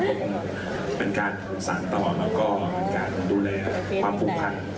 คงเป็นการสั่งต่อแล้วก็เป็นการดูแลความผู้ผ่าน